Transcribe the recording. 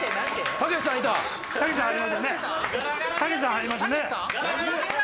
たけしさん入りましたね。